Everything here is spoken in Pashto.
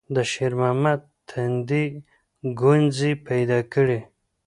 د شېرمحمد تندي ګونځې پيدا کړې.